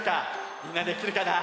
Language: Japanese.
みんなできるかな？